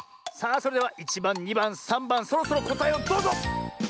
さあそれでは１ばん２ばん３ばんそろそろこたえをどうぞ！